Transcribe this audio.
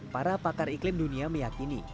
para pakar iklim dunia meyakini